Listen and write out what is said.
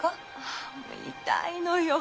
あもう痛いのよ。